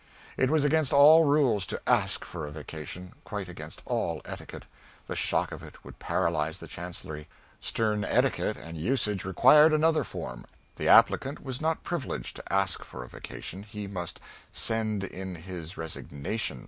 It was against all rules to ask for a vacation quite against all etiquette; the shock of it would paralyze the Chancellery; stem etiquette and usage required another form: the applicant was not privileged to ask for a vacation, he must send in his resignation.